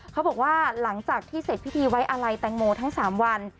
เขาบอกว่าหลังจากที่เสร็จพิธีไว้อาลัยแตงโมทั้ง๓วัน